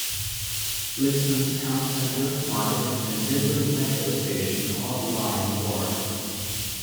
Bilston's town centre, market, and Midland Metro station all lie in the ward.